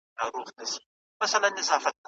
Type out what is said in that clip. ډیپلوماټان کله نړیوالي شخړي پای ته رسوي؟